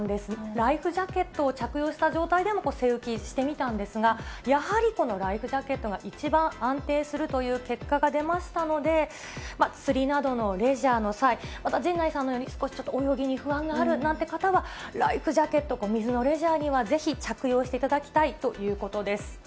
ライフジャケットを着用した状態でも背浮きしてみたんですが、やはりこのライフジャケットが一番安定するという結果が出ましたので、釣りなどのレジャーの際、また陣内さんのように、少しちょっと泳ぎに不安があるなんて方は、ライフジャケット、水のレジャーにはぜひ着用していただきたいということです。